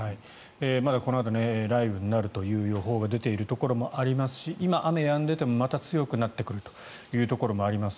まだ、このあと雷雨になるという予報が出ているところもありますし今、雨がやんでいてもまた強くなってくるというところもあります。